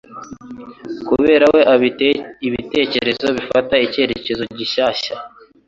Kubera we ibitekerezo bifata icyerekezo gishyashya.